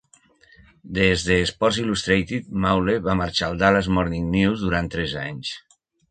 Des de "Sports Illustrated", Maule va marxar al "Dallas Morning News" durant tres anys.